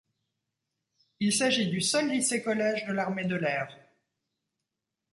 Il s'agit du seul lycée-collège de l'Armée de l'air.